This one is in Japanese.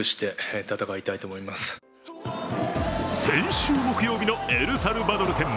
先週、木曜日のエルサルバドル戦。